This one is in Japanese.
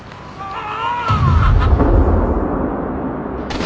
ああ。